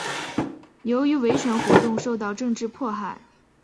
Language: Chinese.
由于维权活动受到政治迫害。